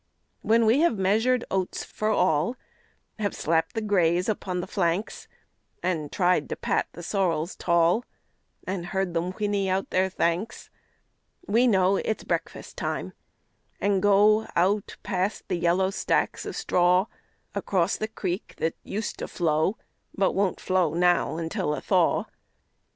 When we have measured oats for all, Have slapped the grays upon the flanks, An' tried to pat the sorrels tall, An' heard them whinny out their thanks, We know it's breakfast time, and go Out past the yellow stacks of straw, Across the creek that used to flow, But won't flow now until a thaw.